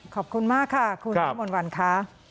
ขอบคุณมากค่ะคุณคุณวันวันค่ะ